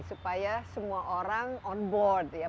supaya semua orang on board ya